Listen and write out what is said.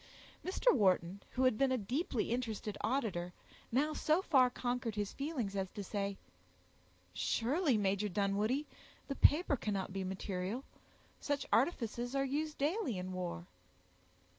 Mr. Wharton, who had been a deeply interested auditor, now so far conquered his feelings as to say, "Surely, Major Dunwoodie, the paper cannot be material; such artifices are used daily in war."